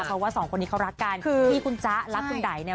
เพราะว่าสองคนนี้เขารักกันที่คุณจ๊ะรักคุณไดเนี่ย